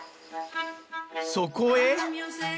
そこへ。